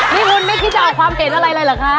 นี่คุณไม่คิดจะเอาความเกร็ดอะไรหรือคะ